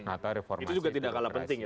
atau reformasi juga tidak kalah penting ya